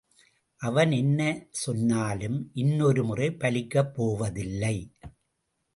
அவன் என்ன சொன்னாலும் இன்னொருமுறை பலிக்கப் போவதேயில்லை.